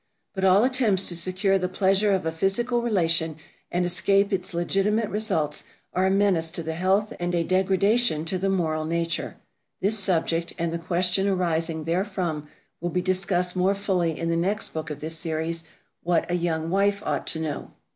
But all attempts to secure the pleasure of a physical relation and escape its legitimate results are a menace to the health and a degradation to the moral nature. This subject, and the questions arising therefrom, will be discussed more fully in the next book of this series, "What a Young Wife Ought to Know."